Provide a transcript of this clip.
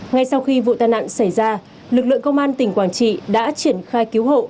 ngay sau khi vụ tai nạn xảy ra lực lượng công an tỉnh quảng trị đã triển khai cứu hộ